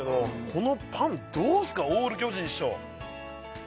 このパンどうすかオール巨人師匠